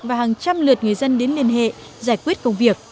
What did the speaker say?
và hàng trăm lượt người dân đến liên hệ giải quyết công việc